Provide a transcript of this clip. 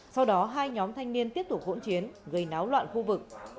sau đó hai nhóm thanh niên tiếp tục hỗn chiến gây náo loạn khu vực